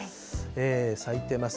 咲いてます。